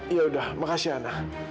ya udah makasih ana